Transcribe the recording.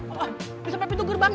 oh bisa sampai pintu gerbang